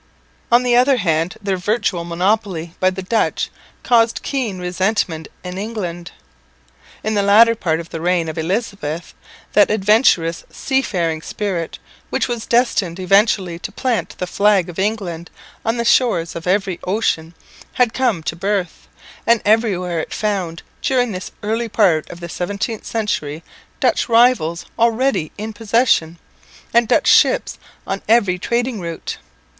On the other hand their virtual monopoly by the Dutch caused keen resentment in England. In the latter part of the reign of Elizabeth that adventurous sea faring spirit, which was destined eventually to plant the flag of England on the shores of every ocean, had come to the birth, and everywhere it found, during this early part of the 17th century, Dutch rivals already in possession and Dutch ships on every trading route.